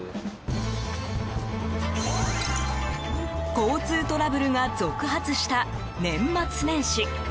交通トラブルが続発した年末年始。